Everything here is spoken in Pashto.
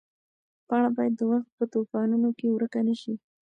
پاڼه باید د وخت په توپانونو کې ورکه نه شي.